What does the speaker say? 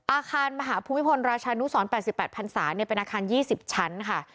อาคารมหาภูมิพลราชานุสร๘๘พันศาเป็นอาคาร๒๐ชั้นค่ะ